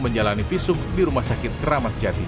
menjalani visum di rumah sakit keramat jati